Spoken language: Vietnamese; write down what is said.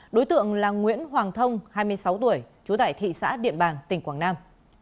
đối tượng là nguyễn hoàng thông hai mươi sáu tuổi trú tại thị xã điện bàn tỉnh quảng nam